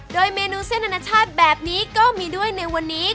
โดยเมนูเส้นอนาชาติแบบนี้ก็มีด้วยในวันนี้